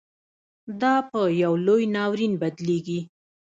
دا پـه يـو لـوى نـاوريـن بـدليږي.